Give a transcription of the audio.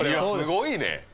すごいね。